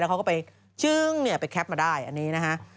เขาก็ไปจึ้งเนี่ยไปแคปมาได้อันนี้นะฮะ